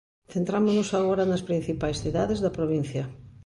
Centrámonos agora nas principais cidades da provincia.